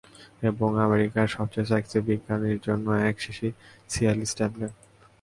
এবং, আমেরিকার সবচেয়ে সেক্সি বিজ্ঞানীর জন্য এক শিশি সিয়ালিস ট্যাবলেট!